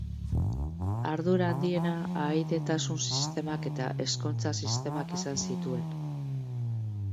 Ardura handiena ahaidetasun sistemak eta ezkontza sistemak izan zituen.